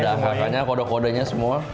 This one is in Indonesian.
ada angkanya kode kodenya semua